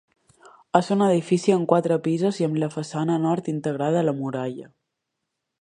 És un edifici amb quatre pisos i amb la façana nord integrada a la muralla.